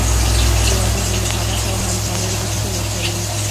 • واده د محبت او همکارۍ غوښتنه کوي.